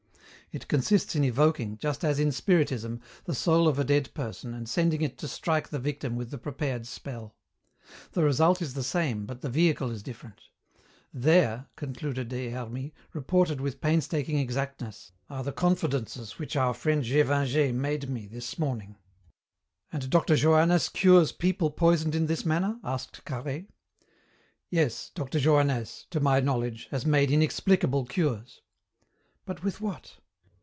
It consists in evoking, just as in Spiritism, the soul of a dead person and sending it to strike the victim with the prepared spell. The result is the same but the vehicle is different. There," concluded Des Hermies, "reported with painstaking exactness, are the confidences which our friend Gévingey made me this morning." "And Dr. Johannès cures people poisoned in this manner?" asked Carhaix. "Yes, Dr. Johannès to my knowledge has made inexplicable cures." "But with what?"